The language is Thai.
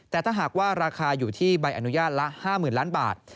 แต่ถ้าหากว่าราคาอยู่ที่ใบอนุญาตละ๕๐๐๐ล้านบาท